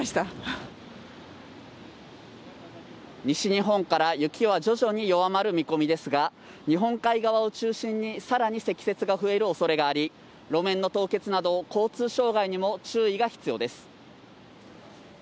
西日本から雪は徐々に弱まる見込みですが、日本海側を中心にさらに積雪が増える恐れがあり、路面の凍結など交通障害にも注意が必要です。